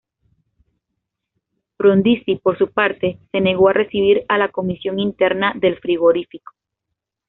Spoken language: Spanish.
Frondizi por su parte se negó a recibir a la comisión interna del frigorífico.